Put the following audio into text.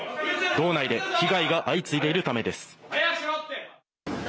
道内で被害が相次いでいるためです。